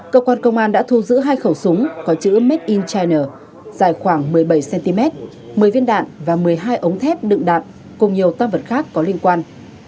cơ quan công an đã thu giữ hai khẩu súng có chữ made in china dài khoảng một mươi bảy cm một mươi viên đạn và một mươi hai ống thép đựng đạn cùng nhiều tam vật khác có liên quan